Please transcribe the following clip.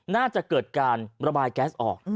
น่าจะเกิดการระบายแก๊สออก